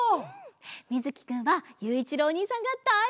みずきくんはゆういちろうおにいさんがだいすきなんだって！